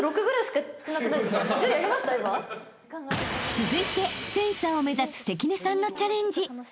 ［続いてフェンサーを目指す関根さんのチャレンジ］